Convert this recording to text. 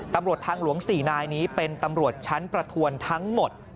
ตำรวจทางหลวง๔นายนี้เป็นตำรวจชั้นประทวนทั้งหมด